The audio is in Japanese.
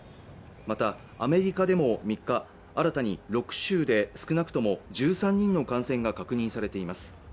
またアメリカでも３日新たに６州で少なくとも１３人の感染が確認されています